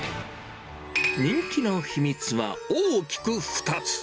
人気の秘密は、大きく２つ。